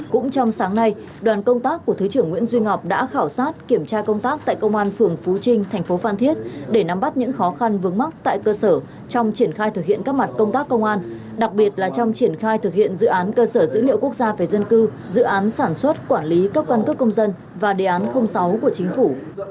cũng trong sáng nay đoàn công tác của thứ trưởng nguyễn duy ngọc đã khảo sát kiểm tra công tác tại công an phường phú trinh thành phố phan thiết để nắm bắt những khó khăn vướng mắc tại cơ sở trong triển khai thực hiện các mặt công tác công an đặc biệt là trong triển khai thực hiện dự án cơ sở dữ liệu quốc gia về dân cư dự án sản xuất quản lý cấp căn cấp công dân và đề án sáu của chính phủ